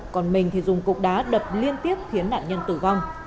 còn mình thì dùng cục đá đập liên tiếp khiến nạn nhân tử vong